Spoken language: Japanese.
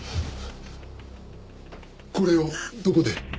これをどこで？